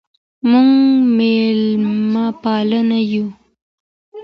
موږ ميلمه پال يو.